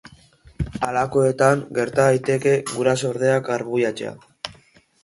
Halakoetan gerta daiteke gurasordeak arbuiatzea.